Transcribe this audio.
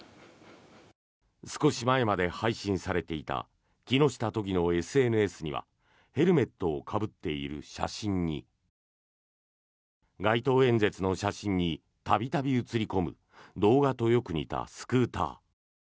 少し前まで配信されていた木下都議のＳＮＳにはヘルメットをかぶっている写真に街頭演説の写真に度々映り込む動画とよく似たスクーター。